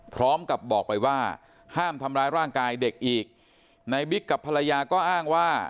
พร้อมกับบอกไปว่าห้ามทำร้ายร่างกายเด็กอีกนายบิ๊กกับภรรยาก็อ้างว่า